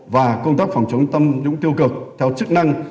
và công tác phòng chống tham nhũng tiêu cực theo chức năng